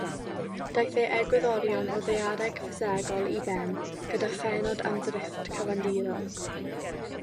Daeth ei “Egwyddorion o Ddaeareg Ffisegol” i ben gyda phennod am ddrifft cyfandirol.